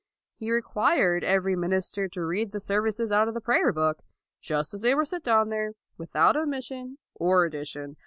He required every minister to read the services out of the prayer book, just as they were set down there, without omission or addition.